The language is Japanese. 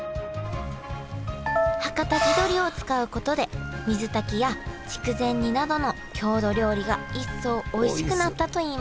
はかた地どりを使うことで水炊きや筑前煮などの郷土料理が一層おいしくなったといいます。